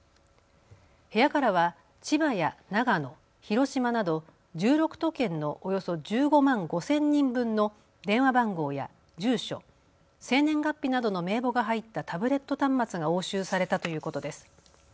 部屋からは千葉や長野、広島など１６都県のおよそ１５万５０００人分の電話番号や住所、生年月日などの名簿が入ったタブレット端末が押収されたということです。